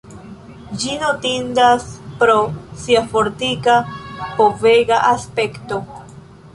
Ĝi notindas pro sia fortika povega aspekto.